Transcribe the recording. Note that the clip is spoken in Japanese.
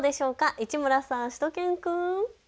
市村さん、しゅと犬くん。